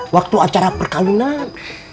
waktu acara perkalinan